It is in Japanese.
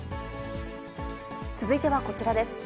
続いてはこちらです。